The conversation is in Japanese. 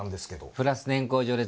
プラス年功序列。